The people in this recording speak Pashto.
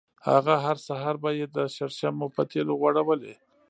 هغه هر سهار به یې د شرشمو په تېلو غوړولې.